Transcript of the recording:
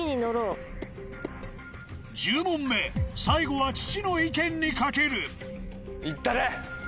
１０問目最後は父の意見に賭ける行ったれ！